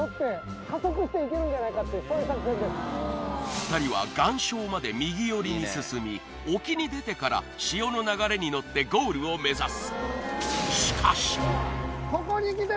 ２人は岩礁まで右寄りに進み沖に出てから潮の流れに乗ってゴールを目指す